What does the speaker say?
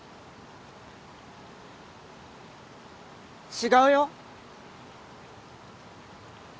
違うよ！